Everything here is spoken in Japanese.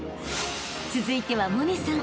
［続いては百音さん］